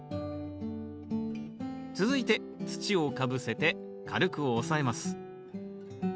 続いて土をかぶせて軽く押さえます。